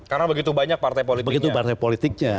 karena begitu banyak partai politiknya